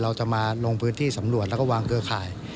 เราจะมาลงพื้นที่สำรวจแล้วก็วางเครือข่าย